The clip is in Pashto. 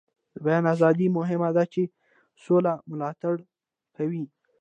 د بیان ازادي مهمه ده ځکه چې سوله ملاتړ کوي.